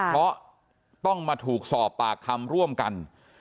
เพราะต้องมาถูกสอบปากคำร่วมกัน